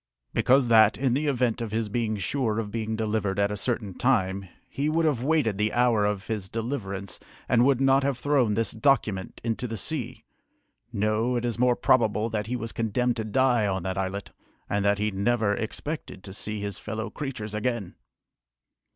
"Because that, in the event of his being sure of being delivered at a certain time, he would have waited the hour of his deliverance and would not have thrown this document into the sea. No, it is more probable that he was condemned to die on that islet, and that he never expected to see his fellow creatures again!"